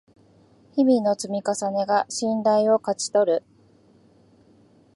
日々の積み重ねが信頼を勝ち取る